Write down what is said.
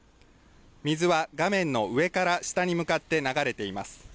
水は画面の上から下に向かって流れています。